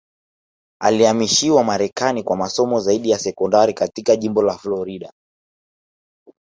Alihamishiwa Marekani kwa masomo zaidi ya sekondari katika jimbo la Florida